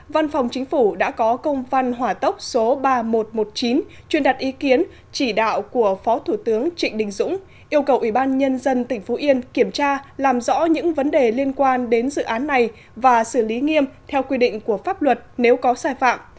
văn phòng chính phủ đã có công văn hỏa tốc số ba nghìn một trăm một mươi chín truyền đặt ý kiến chỉ đạo của phó thủ tướng trịnh đình dũng yêu cầu ủy ban nhân dân tỉnh phú yên kiểm tra làm rõ những vấn đề liên quan đến dự án này và xử lý nghiêm theo quy định của pháp luật nếu có sai phạm